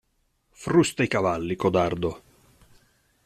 Frusta i cavalli, codardo.